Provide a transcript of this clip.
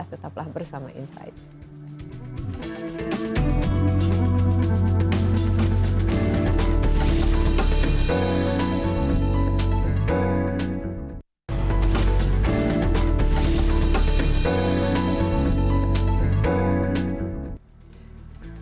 tetaplah bersama insight